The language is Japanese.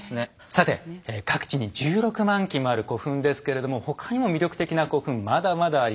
さて各地に１６万基もある古墳ですけれども他にも魅力的な古墳まだまだあります。